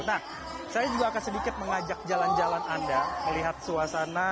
nah saya juga akan sedikit mengajak jalan jalan anda melihat suasana